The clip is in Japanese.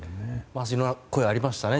そんな声がありましたね